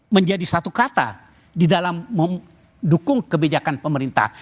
menjadi satu kata di dalam mendukung kebijakan pemerintah